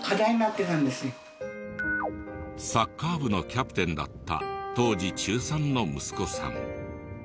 サッカー部のキャプテンだった当時中３の息子さん。